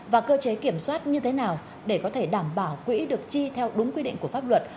và cơ chế kiểm soát như thế nào để có thể đảm bảo quỹ được chi theo đúng quy định của pháp luật